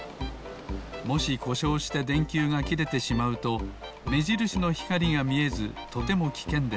もしこしょうしてでんきゅうがきれてしまうとめじるしのひかりがみえずとてもきけんです。